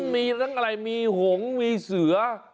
มีทั้งอะไรมีหงมีเสือ